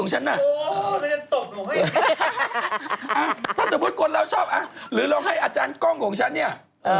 ถ้าสมมุติคนเราชอบหรือเราให้อาจารย์กล้องของฉันเนี่ย